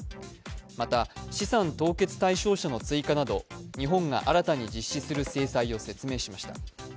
また、資産凍結対象者の追加など、日本が新たに実施する制裁を説明しました。